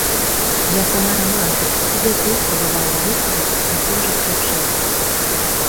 Я сама рамантык, і дзяцей спрабавала выхаваць у такім жа ключы.